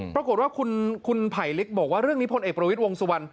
ปรากฏว่าคุณไผลลิกบอกว่าเรื่องนี้พลเอกประวิทย์วงสุวรรณ